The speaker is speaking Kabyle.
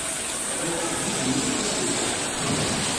La tettfeǧǧiǧ mliḥ tafukt.